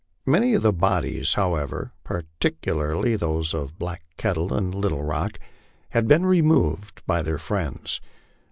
Many of the bodies, how ever, particularly those of Black Kettle and Little Rock, had been removed by their friends.